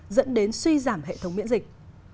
dẫn đến suy giảm hệ thống miễn dịch